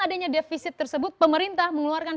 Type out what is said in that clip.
adanya defisit tersebut pemerintah mengeluarkan